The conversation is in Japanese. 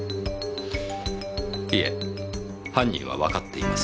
いえ犯人はわかってます。